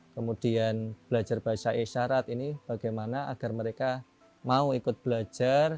kemudian belajar bahasa isyarat ini bagaimana agar mereka mau ikut belajar